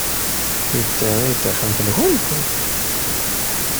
D ta ay d taxxamt-nwent?